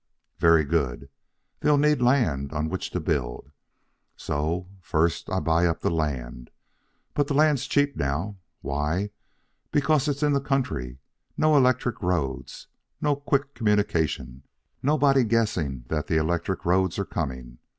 Very good. They'll need land on which to build. So, first I buy up the land. But the land's cheap now. Why? Because it's in the country, no electric roads, no quick communication, nobody guessing that the electric roads are coming.